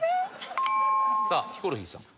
さあヒコロヒーさん。